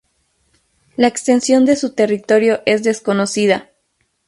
La extensión de su territorio es desconocida.